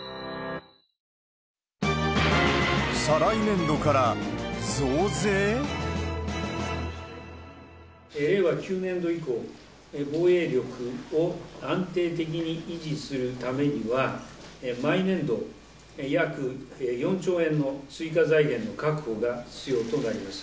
これからも国民の皆様の幸せを常に祈りながら、令和９年度以降、防衛力を安定的に維持するためには、毎年度、約４兆円の追加財源の確保が必要となります。